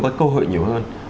có cơ hội nhiều hơn